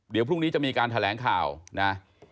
เดี๋ยวพรุ่งนี้จะมีการแถลงข่าวนะ